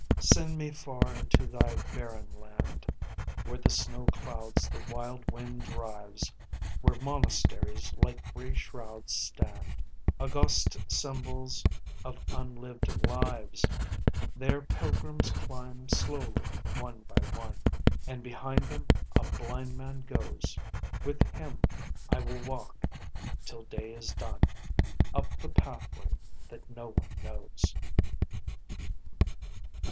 Send me far into Thy barren land Where the snow clouds the wild wind drives, Where monasteries like gray shrouds stand August symbols of unlived lives. There pilgrims climb slowly one by one, And behind them a blind man goes: With him I will walk till day is done Up the pathway that no one knows